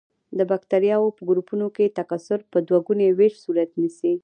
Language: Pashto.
د بکټریاوو په ګروپونو کې تکثر په دوه ګوني ویش صورت نیسي.